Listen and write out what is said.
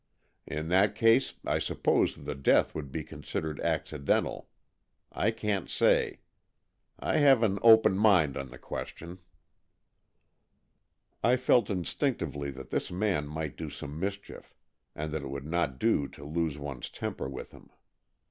In that case I suppose the death would be considered accidental. I can't say. I have an open mind on the question." I felt instinctively that this man might do some mischief, and that it would not do to lose one's temper with him.